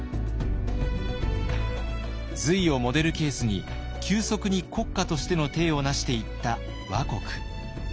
隋をモデルケースに急速に国家としての体を成していった倭国。